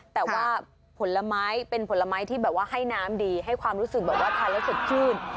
แต่ว่าผลไม้เป็นผลไม้ที่แบบว่าให้น้ำดีให้ความรู้สึกแบบว่าทานแล้วสดชื่น